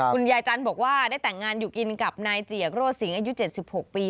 คุณยายจันทร์บอกว่าได้แต่งงานอยู่กินกับนายเจียกโร่สิงอายุ๗๖ปี